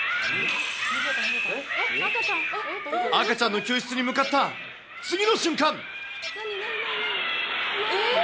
赤ちゃんの救出に向かった次の瞬間。